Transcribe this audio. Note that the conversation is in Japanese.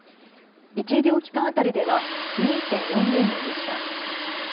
１医療機関当たりでは２．４０人でした。